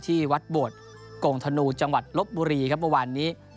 ที่วัดโบดกงธนูจังหวัดลบบุรีครับเมื่อวานนี้